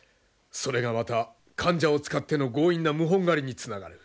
それがまた間者を使っての強引な謀反狩りにつながる。